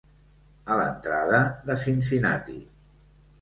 A l'entrada de Cincinnati.